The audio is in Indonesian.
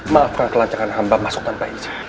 maafkan kelancaran hamba masuk tanpa izin